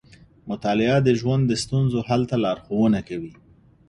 مطالعه د ژوند د ستونزو حل ته لارښونه کوي.